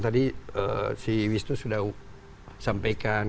tadi si wisnu sudah sampaikan